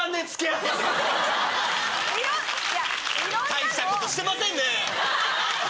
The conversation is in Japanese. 大したことしてませんね！